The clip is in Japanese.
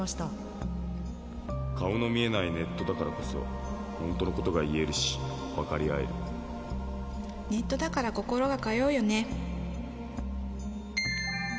「顔の見えないネットだからこそホントのことが言えるしわかりあえる」「ネットだから心が通うよね」